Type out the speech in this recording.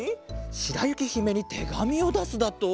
しらゆきひめにてがみをだすだと？